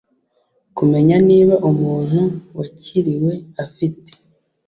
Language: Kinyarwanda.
kumenya niba umuntu wakiriwe afite